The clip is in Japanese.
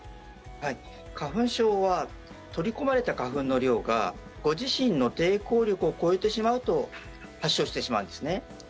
花粉症は取り込まれた花粉の量がご自身の抵抗力を超えてしまうと発症してしまうんですね。